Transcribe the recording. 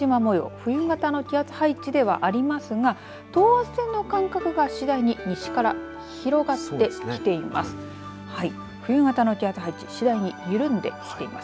冬型の気圧配置ではありますが等圧線の間隔が次第に西から広がってきています。